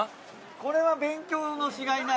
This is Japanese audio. これは勉強のしがいない？